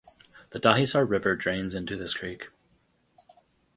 The Dahisar River drains into this creek.